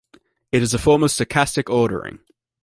It is a form of stochastic ordering.